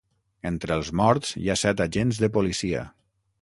Entre els morts hi ha set agents de policia.